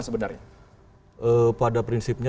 sebenarnya pada prinsipnya